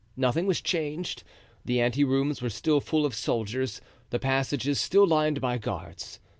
Nothing was changed. The ante rooms were still full of soldiers, the passages still lined by guards.